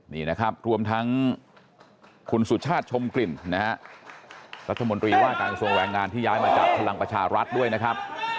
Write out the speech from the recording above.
นี่นะครับรวมทั้งคุณสุชาติชมกลิ่นนะฮะรัฐมนตรีว่าการกระทรวงแรงงานที่ย้ายมาจากพลังประชารัฐด้วยนะครับ